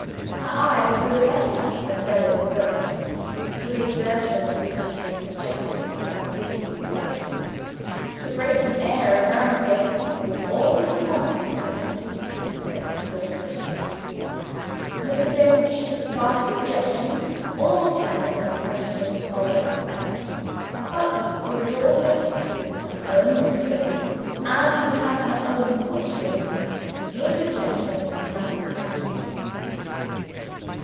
Her eyes were the better instead of the worse for the exertion to which he had subjected them on the previous day. The bracing air of Ramsgate was all that was wanting to complete the success of the operation. Mr. Finch had started objections, all turning on the question of expense. But with a daughter who was her own mistress, and who had her own fortune, his objections mattered nothing.